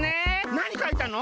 なにかいたの？